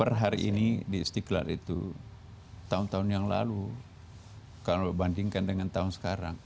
per hari ini di istiqlal itu tahun tahun yang lalu kalau dibandingkan dengan tahun sekarang